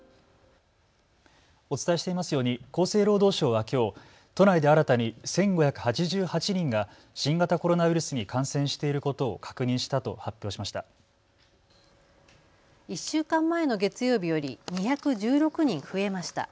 お伝えしていますように厚生労働省はきょう都内で新たに１５８８人が新型コロナウイルスに感染していることを確認したと発表しました。